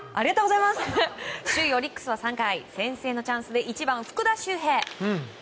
首位オリックスは３回先制のチャンスで１番、福田周平。